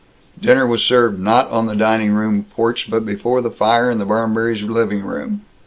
Dinner was served not on the dining porch but before the fire in the Barmberrys' living room.